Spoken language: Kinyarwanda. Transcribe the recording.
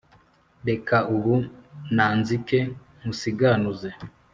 Reka ubu nanzike nkusiganuze